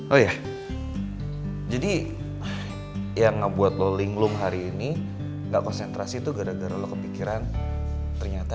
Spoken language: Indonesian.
oh ya jadi yang ngebuat lo ling loong hari ini gak konsentrasi tuh gara gara lo kepikiran ternyata